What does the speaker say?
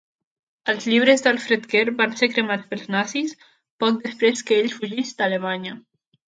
Els llibres d'Alfred Kerr van ser cremats pels nazis poc després que ell fugís d'Alemanya.